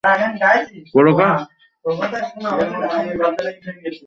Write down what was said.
রাজধানীর ভেতরে চলাচলকারী কয়েকটি পরিবহনের বাস জাপান গার্ডেন সিটির সামনে এলোমেলোভাবে রাখা হতো।